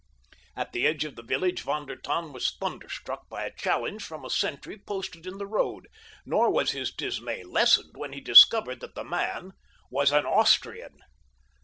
At the edge of the village Von der Tann was thunderstruck by a challenge from a sentry posted in the road, nor was his dismay lessened when he discovered that the man was an Austrian.